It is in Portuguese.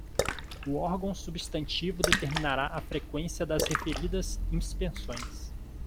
O órgão substantivo determinará a freqüência das referidas inspeções.